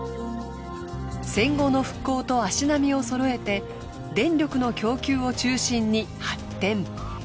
戦後の復興と足並みをそろえて電力の供給を中心に発展。